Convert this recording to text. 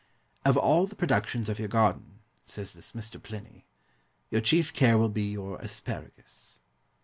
"Of all the productions of your garden" says this Mr. Pliny, "your chief care will be your asparagus."